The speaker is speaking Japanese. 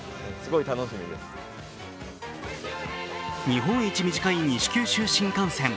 日本一短い西九州新幹線。